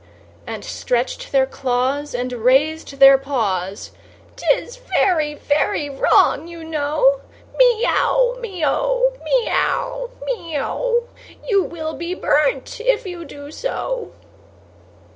And stretched their claws, And raised their paws: "'Tis very, very wrong, you know, Me ow, me o, me ow, me o, You will be burnt, if you do so."